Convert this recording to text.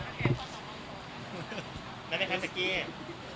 นั่นไม่ค่อยเกลียด